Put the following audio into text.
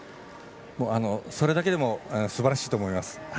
それだけでもすばらしいと思います。